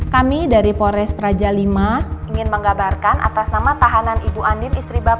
kami dari pores praja v ingin menggabarkan atas nama tahanan ibu andin istri bapak